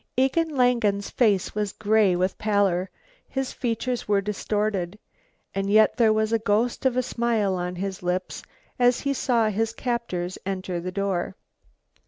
Egon Langen's face was grey with pallor, his features were distorted, and yet there was the ghost of a smile on his lips as he saw his captors enter the door.